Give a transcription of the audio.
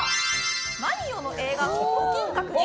マリオの映画と金閣寺。